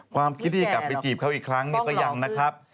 ความคิดที่จะกลับไปจีบเขาอีกครั้งก็ยังนะครับ